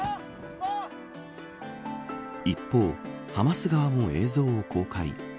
一方、ハマス側も映像を公開。